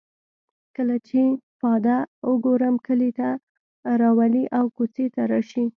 کله چې پاده او ګورم کلي ته راولي او کوڅې ته راشي.